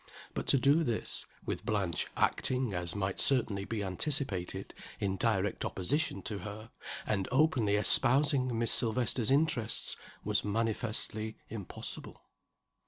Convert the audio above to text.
But to do this with Blanche acting (as might certainly be anticipated) in direct opposition to her, and openly espousing Miss Silvester's interests was manifestly impossible.